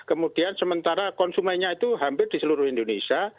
kemudian sementara konsumennya itu hampir di seluruh indonesia